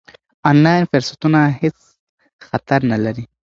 آنلاین فرصتونه هېڅ خطر نه لري.